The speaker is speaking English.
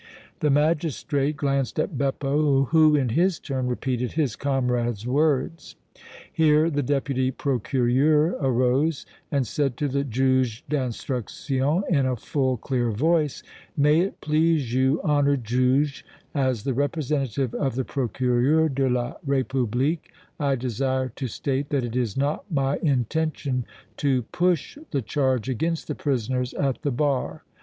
The magistrate glanced at Beppo who in his turn repeated his comrade's words. Here the Deputy Procureur arose and said to the Juge d' Instruction, in a full, clear voice: "May it please you, honored Juge, as the representative of the Procureur de la République I desire to state that it is not my intention to push the charge against the prisoners at the bar.